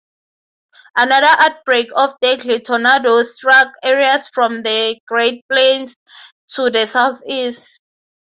Another outbreak of deadly tornadoes struck areas from the Great Plains to the Southeast.